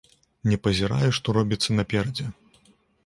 Не пазірае, што робіцца наперадзе.